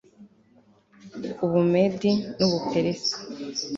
u bumedi n u buperesi